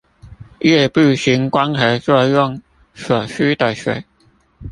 葉部行光合作用所需的水